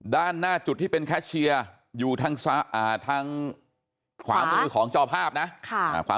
ด้านหน้าจุดที่เป็นแคชเชียร์อยู่ทางขวามือของจอภาพนะ